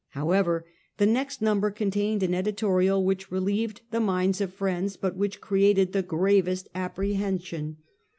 However, the next number contained an editorial which relieved the minds of friends, but which created the gravest apprehension.